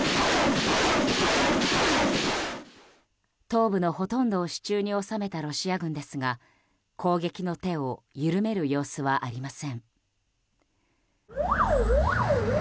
東部のほとんどを手中に収めたロシア軍ですが攻撃の手を緩める様子はありません。